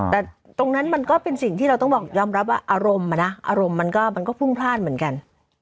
แต่ตรงนั้นมันก็เป็นสิ่งที่เราต้องบอกยอมรับว่าอารมณ์อ่ะนะอารมณ์มันก็พุ่งพลาดเหมือนกัน